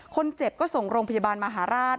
คนเจ็บก็ส่งโรงพยาบาลมหาราช